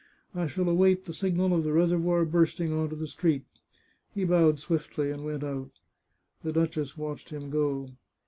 I shall await the signal of the reservoir bursting on to the street." He bowed swiftly, and went out. The duchess watched him go.